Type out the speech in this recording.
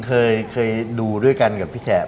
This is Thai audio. เคยดูด้วยกันกับพี่แขก